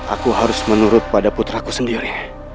aku harus menurut pada putraku sendiri